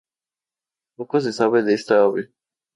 Poco se sabe de esta ave.